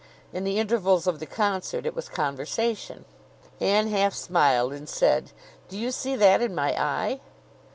In the intervals of the concert it was conversation." Anne half smiled and said, "Do you see that in my eye?"